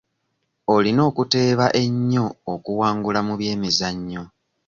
Olina okuteeba ennyo okuwangula mu byemizannyo.